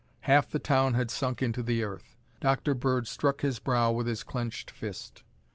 Half the town had sunk into the earth. Dr. Bird struck his brow with his clenched fist.